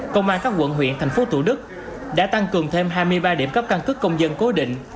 công an các quận huyện thành phố thủ đức đã tăng cường thêm hai mươi ba điểm cấp căn cước công dân cố định